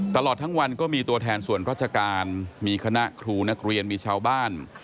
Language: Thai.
ตลอดทั้งวันก็มีตัวแทนส่วนราชการมีคณะครูนักเรียนมีชาวบ้าน